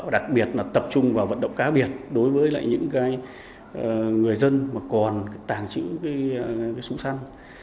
đặc biệt là tập trung vào vận động cá biệt đối với lại những người dân mà còn tàng trữ súng săn